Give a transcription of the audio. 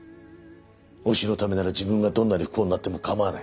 推しのためなら自分がどんなに不幸になっても構わない。